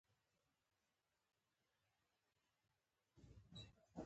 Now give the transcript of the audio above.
خلک کولای شي خپلې پیسې په بانک کې وساتي.